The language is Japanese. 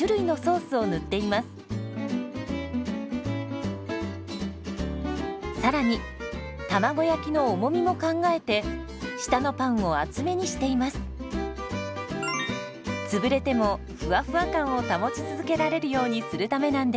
つぶれてもふわふわ感を保ち続けられるようにするためなんです。